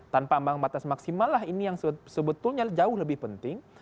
tanpa ambang batas maksimal lah ini yang sebetulnya jauh lebih penting